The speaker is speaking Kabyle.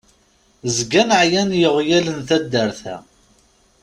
Zgan εyan yiɣyal n taddart-a.